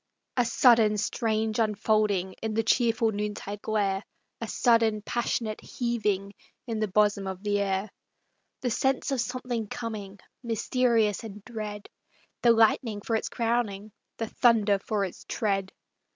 SUDDEN Strange unfolding In the cheerful noontide glare ; A sudden passionate heaving In the bosom of the air. The sense of something coming, Mysterious and dread, The lightning for its crowning, The thunder for its tread.